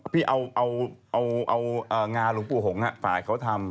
พี่เอางานหลวงปู่หงษ์ฝ่ายเขาทำ